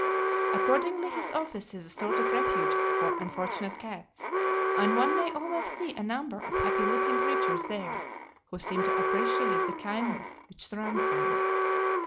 Accordingly his office is a sort of refuge for unfortunate cats, and one may always see a number of happy looking creatures there, who seem to appreciate the kindness which surrounds them.